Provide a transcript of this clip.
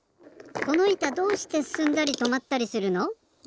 このいたどうしてすすんだりとまったりするの？